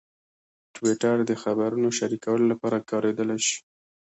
ټویټر د خبرونو شریکولو لپاره کارېدلی شي.